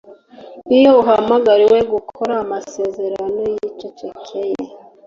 iyo uhamagariwe gukora amasezerano yicecekeye